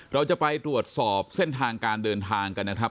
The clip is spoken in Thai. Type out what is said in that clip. เราจะไปตรวจสอบเส้นทางการเดินทางกันนะครับ